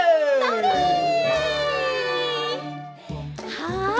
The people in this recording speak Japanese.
はい。